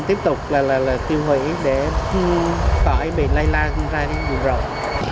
tiếp tục là tiêu hủy để khỏi bị lây lan ra những vụ rộng